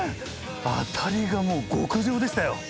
アタリがもう極上でしたよ